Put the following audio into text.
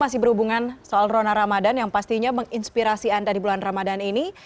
masih berhubungan soal rona ramadan yang pastinya menginspirasi anda di bulan ramadan ini